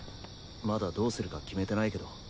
まだどうするか決めてないけど。